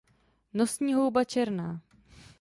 Nosní houba černá.